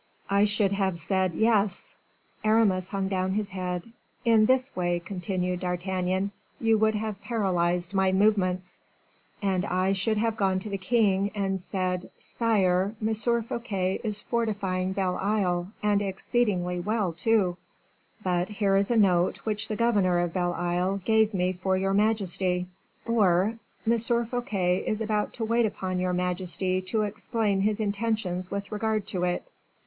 I should have said 'Yes.'" Aramis hung down his head. "In this way," continued D'Artagnan, "you would have paralyzed my movements, and I should have gone to the king, and said, 'Sire, M. Fouquet is fortifying Belle Isle, and exceedingly well, too; but here is a note, which the governor of Belle Isle gave me for your majesty;' or, 'M. Fouquet is about to wait upon your majesty to explain his intentions with regard to it.